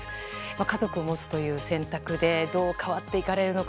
家族を持つという選択でどう変わっていかれるのか